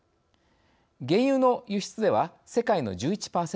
原油の輸出では世界の１１％